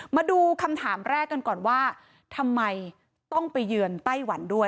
มาดูคำถามแรกกันก่อนว่าทำไมต้องไปเยือนไต้หวันด้วย